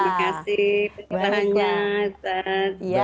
terima kasih banyak ya